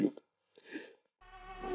aku juga salah